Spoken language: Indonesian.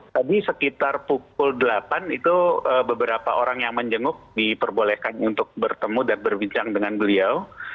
tadi sekitar pukul delapan itu beberapa orang yang menjenguk diperbolehkan untuk bertemu dan berbincang dengan beliau